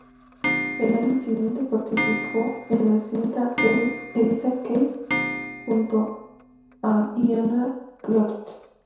El año siguiente participó en la cinta "Elisa K" junto a Aina Clotet.